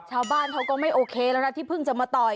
ชาวบ้านเขาก็ไม่โอเคแล้วนะที่เพิ่งจะมาต่อย